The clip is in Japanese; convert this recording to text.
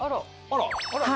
あら。